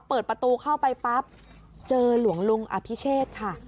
เปิดประตูเข้าไปปั๊บเจอหลวงลุงอภิเชษค่ะ